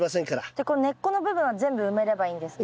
じゃあこの根っこの部分は全部埋めればいいんですか？